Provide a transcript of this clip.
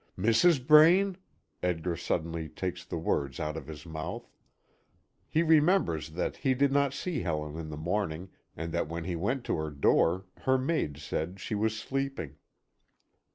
"Mrs. Braine?" Edgar suddenly takes the words out of his mouth. He remembers that he did not see Helen in the morning, and that when he went to her door, her maid said she was sleeping.